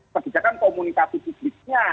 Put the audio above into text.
perbicaraan komunikasi publiknya